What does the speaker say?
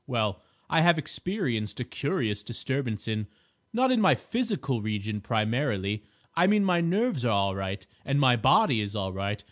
Well, I have experienced a curious disturbance in—not in my physical region primarily. I mean my nerves are all right, and my body is all right.